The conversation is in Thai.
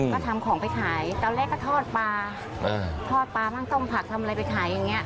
ก็ทำของไปขายตอนแรกก็ทอดปลาทอดปลาบ้างต้มผักทำอะไรไปขายอย่างนี้